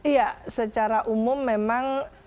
iya secara umum memang